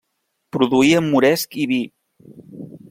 Produïa moresc i vi.